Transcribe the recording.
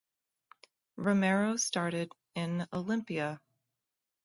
Romero started in Olimpia.